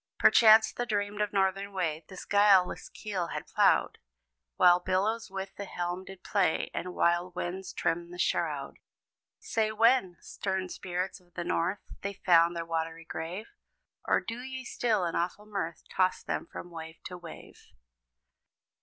Perchance the dreamed of Northern Way This guileless keel had plowed, While billows with the helm did play, And wild winds trimmed the shroud. Say when, Stern Spirits of the North, They found their watery grave? Or do ye still in awful mirth, Toss them from wave to wave?